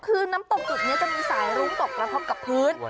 คือน้ำตกจุดนี้จะมีสายรุ้งตกกระทบกับพื้น